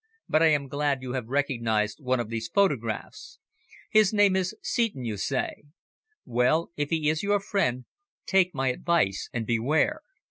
"But I am glad you have recognised one of these photographs. His name is Seton, you say. Well, if he is your friend, take my advice and beware.